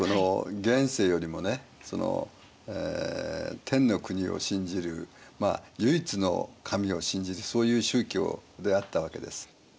現世よりもね天の国を信じるまあ唯一の神を信じるそういう宗教であったわけです。